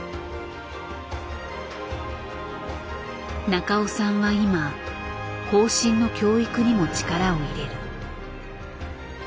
中尾さんは今後進の教育にも力を入れる。